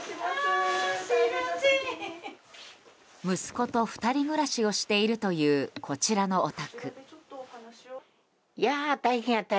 息子と２人暮らしをしているという、こちらのお宅。